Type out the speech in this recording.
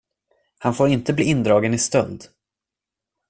Han får inte bli indragen i stöld.